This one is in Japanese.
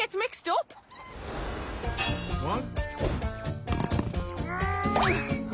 うわ！